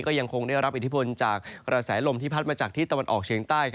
ก็ยังคงได้รับอิทธิพลจากกระแสลมที่พัดมาจากที่ตะวันออกเฉียงใต้